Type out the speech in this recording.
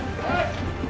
はい！